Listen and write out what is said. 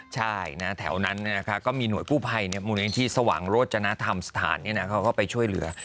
ใช่นะแถวนั้นก็มีหน่วยกู้ภัยมูลนิธิสว่างโรจนธรรมสถานเขาก็ไปช่วยเหลือ